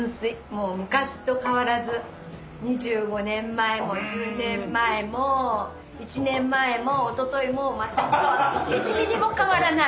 もう昔と変わらず２５年前も１０年前も１年前もおとといも全く１ミリも変わらない。